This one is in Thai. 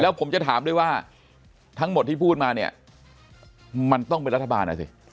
ผมจะถามด้วยว่าทั้งหมดที่พูดมาเนี่ยมันต้องเป็นรัฐบาลนะสิ